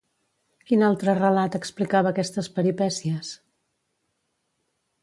Quin altre relat explicava aquestes peripècies?